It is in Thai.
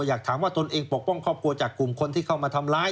อยากถามว่าตนเองปกป้องครอบครัวจากกลุ่มคนที่เข้ามาทำร้าย